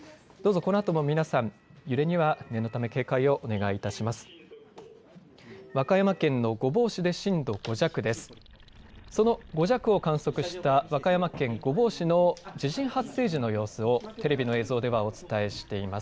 どうぞこのあとも皆さん、揺れには念のため警戒をお願いいたします。